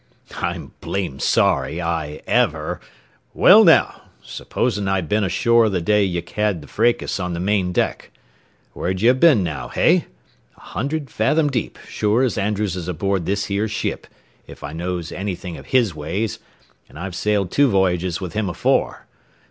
"I'm blamed sorry I ever " "Well, now, suppose'n I had a been ashore the day ye had the fracas on the main deck. Where'd ye been now, hey? A hunderd fathom deep, sure as Andrews is aboard this here ship, if I knows anything o' his ways, an' I've sailed two voyages with him afore.